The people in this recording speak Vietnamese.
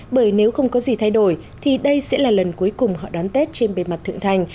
bởi nếu không có gì thay đổi thì đây sẽ là lần cuối cùng họ đón tết trên bề mặt thượng thành